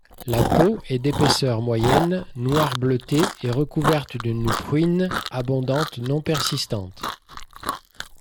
La peau est d'épaisseur moyenne, noire bleutée, et recouverte d'une pruine abondante non persistante.